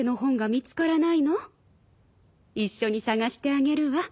一緒に捜してあげるわ。